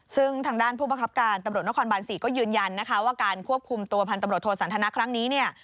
ซึ่งทางด้านผู้ประคับการตำรวจนครบาน๔ก็ยืนยันนะคะว่าการควบคุมตัวพันตำรวจโทสันทนาครั้งนี้เนี่ย